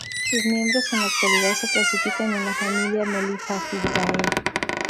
Sus miembros en la actualidad se clasifican en la familia Meliphagidae.